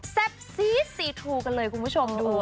เซ็บซีฟิสีถัวเลยคุณผู้ชมดู